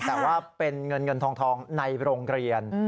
แต่ว่าเป็นเงินเงินทองในโรงเรียน